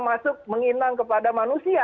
masuk menginang kepada manusia